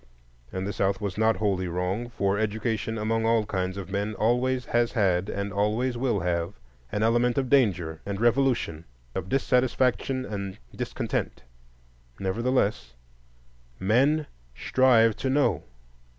And the South was not wholly wrong; for education among all kinds of men always has had, and always will have, an element of danger and revolution, of dissatisfaction and discontent. Nevertheless, men strive to know.